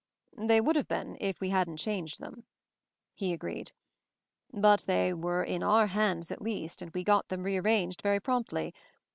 "They would have been — if we hadn't changed them," he agreed. "But they were in our hands at least, and we got them re ar ranged very promptly.